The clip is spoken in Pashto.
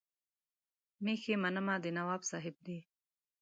مېښې منمه د نواب صاحب دي.